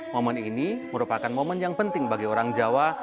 momen ini merupakan momen yang penting bagi orang jawa